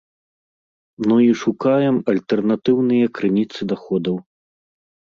Ну і шукаем альтэрнатыўныя крыніцы даходаў.